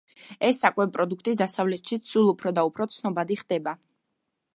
ეს საკვები პროდუქტი დასავლეთშიც სულ უფრო და უფრო ცნობადი ხდება.